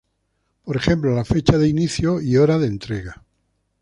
Por ejemplo: la fecha de inicio y hora de entrega.